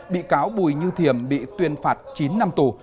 bị cáo bùi như thiềm bị tuyên phạt chín năm tù